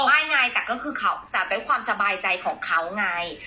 ไม่ไงแต่ก็คือเขาแต่เป็นความสบายใจของเขาไง